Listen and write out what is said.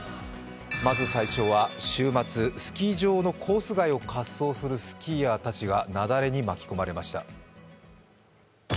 まず最初は週末、スキー場のコース外を滑走するスキーヤーたちが雪崩に巻き込まれました。